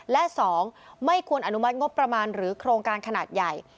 และ๒ไม่ควรอนุมัติงบประมาณหรือโครงการขนาดใหญ่